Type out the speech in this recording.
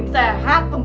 bisa berubah juga